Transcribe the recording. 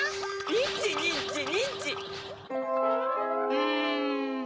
うん。